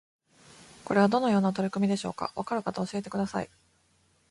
これはどのような取り組みでしょうか？わかる方教えてください